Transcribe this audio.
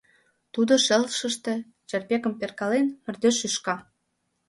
Тудо шелшыште, чарпекым перкален, мардеж шӱшка.